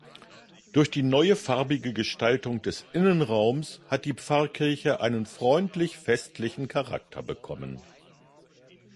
Durch die neue farbige Gestaltung des Innenraums hat die Pfarrkirche einen freundlich-festlichen Charakter bekommen.